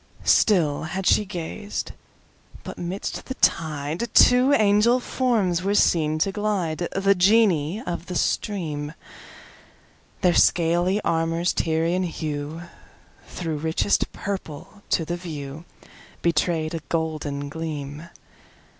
Still had she gazed, but 'midst the tideTwo angel forms were seen to glide, The Genii of the stream:Their scaly armour's Tyrian hueThrough richest purple, to the viewBetray'd a golden gleam.